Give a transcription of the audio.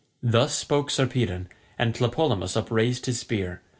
Thus spoke Sarpedon, and Tlepolemus upraised his spear.